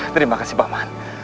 terima kasih pak man